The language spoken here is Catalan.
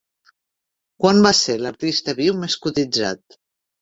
Quan va ser l'artista viu més cotitzat?